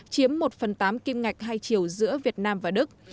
chiếm một phần tám kim ngạch hai triệu giữa việt nam và đức